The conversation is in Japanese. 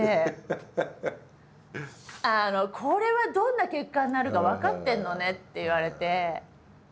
「これはどんな結果になるか分かってるのね？」って言われて。